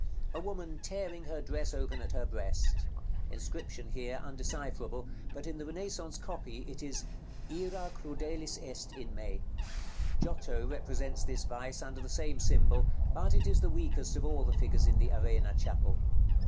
A woman tearing her dress open at her breast. Inscription here undecipherable; but in the Renaissance copy it is "IRA CRUDELIS EST IN ME." Giotto represents this vice under the same symbol; but it is the weakest of all the figures in the Arena Chapel.